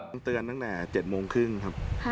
เตือนตั้งแต่๗โมงครึ่งครับ